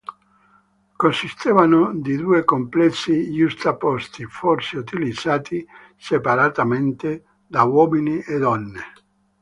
Consistevano di due complessi giustapposti, forse utilizzati separatamente da uomini e donne.